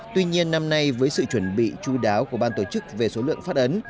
tuy nhiên năm nay với sự chuẩn bị chú đáo của ban tổ chức về số lượng phát ấn